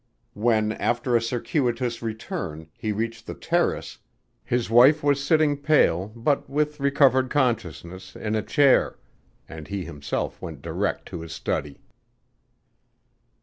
When, after a circuitous return, he reached the terrace, his wife was sitting, pale, but with recovered consciousness, in a chair, and he himself went direct to his study.